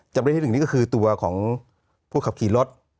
จำเป็นที่๑นี่ก็คือตัวของผู้ขับขี่รถ